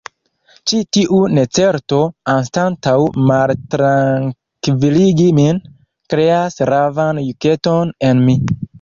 Ĉi tiu necerto, anstataŭ maltrankviligi min, kreas ravan juketon en mi.